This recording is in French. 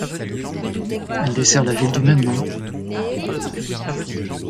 Elle dessert la ville du même nom.